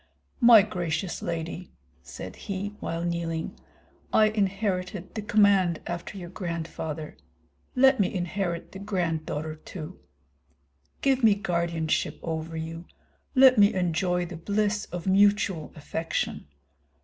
"My gracious lady," said he, while kneeling, "I inherited the command after your grandfather; let me inherit the granddaughter too. Give me guardianship over you; let me enjoy the bliss of mutual affection.